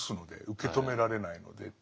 受け止められないので。